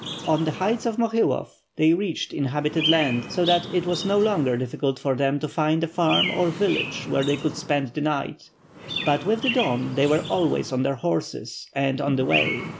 On the heights of Mohilov, they reached inhabitated land, so that it was no longer difficult for them to find a fann or village where they could spend the night, but with the dawn they were always on their horses, and on the way.